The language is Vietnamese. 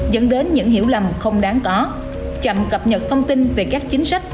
dẫn đến những hiểu lầm không đáng có chậm cập nhật thông tin về các chính sách